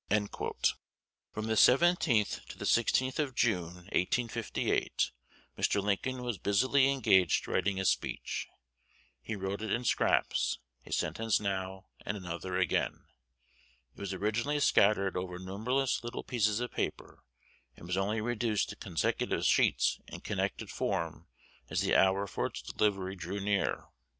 From about the 7th to the 16th of June, 1858, Mr. Lincoln was busily engaged writing a speech: he wrote it in scraps, a sentence now, and another again. It was originally scattered over numberless little pieces of paper, and was only reduced to consecutive sheets and connected form as the hour for its delivery drew near.